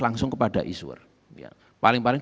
langsung kepada issure paling paling